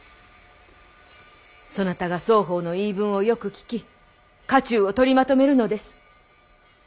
そなたが双方の言い分をよく聞き家中を取りまとめるのです。